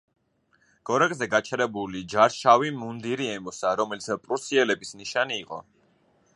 გორაკზე გაჩერებული ჯარს შავი მუნდირი ემოსა, რომელიც პრუსიელების ნიშანი იყო.